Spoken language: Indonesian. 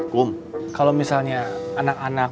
kum kalau misalnya anak anak